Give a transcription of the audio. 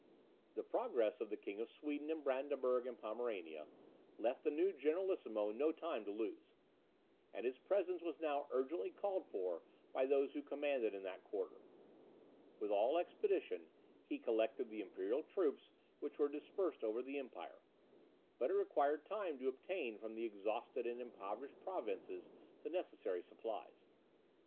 The progress of the King of Sweden in Brandenburg and Pomerania, left the new generalissimo no time to lose; and his presence was now urgently called for by those who commanded in that quarter. With all expedition, he collected the imperial troops which were dispersed over the empire; but it required time to obtain from the exhausted and impoverished provinces the necessary supplies.